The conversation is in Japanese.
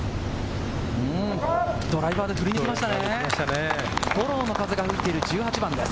ドライバーでふり抜きました。